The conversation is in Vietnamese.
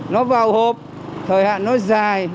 nó vào hộp thời hạn nó dài